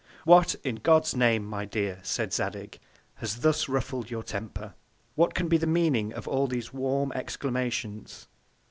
What, in God's Name, my Dear, said Zadig, has thus ruffled your Temper? What can be the Meaning of all these warm Exclamations?